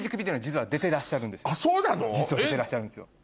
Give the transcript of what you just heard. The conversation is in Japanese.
実は出てらっしゃるんです。